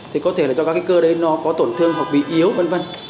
thì có thể là cho các cái cơ đấy nó có tổn thương hoặc bị yếu v v